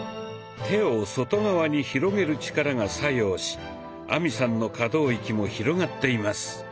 手を外側に広げる力が作用し亜美さんの可動域も広がっています。